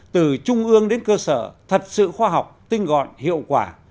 từ trung ương đến cơ sở thật sự khoa học tinh gọn hiệu quả